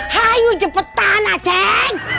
hayu cepetan lah ceng